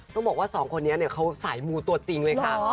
ต้องบอกว่าสองคนนี้เขาสายมูตัวจริงเลยค่ะ